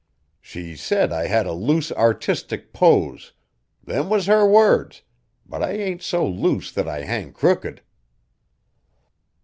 She said I had a loose artistic pose; them was her words, but I ain't so loose that I hang crooked."